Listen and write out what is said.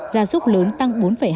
gia súc lớn tăng bốn hai